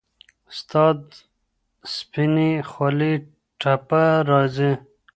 ستاد سپيني خولې ټپه راځـي